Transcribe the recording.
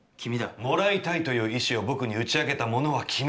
「貰いたいという意志を僕に打ち明けたものは君だ」。